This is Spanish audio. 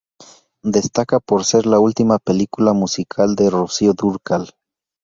Destaca por ser la última película musical de Rocío Dúrcal.